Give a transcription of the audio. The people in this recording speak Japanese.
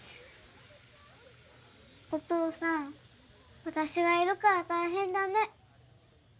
お父さん私がいるから大変だね。